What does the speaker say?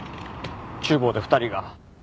厨房で２人が。